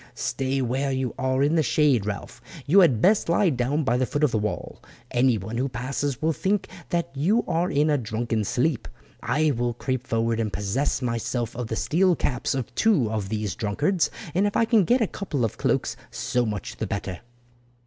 "Stay where you are in the shade, Ralph. You had best lie down by the foot of the wall. Anyone who passes will think that you are in a drunken sleep. I will creep forward and possess myself of the steel caps of two of these drunkards, and if I can get a couple of cloaks so much the better."